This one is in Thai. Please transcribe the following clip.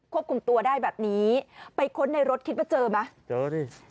ควบคุมตัวได้แบบนี้ไปค้นในรถคิดว่าเจอไหมเจอดิ